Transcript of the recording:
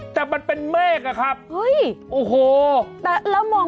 แต่มันเป็นเมฆล่ะครับเฮ้ย